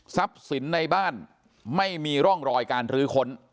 สินในบ้านไม่มีร่องรอยการรื้อค้น